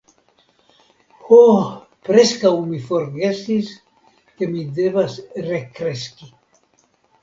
Ho, preskaŭ mi forgesis ke mi devas rekreski!